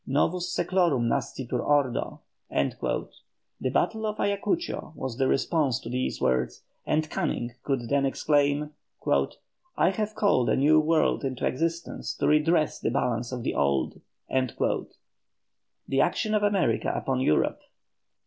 Novus sæclorum nascitur ordo!" The battle of Ayacucho was the response to these words, and Canning could then exclaim: "I have called a new world into existence to redress the balance of the old." THE ACTION OF AMERICA UPON EUROPE.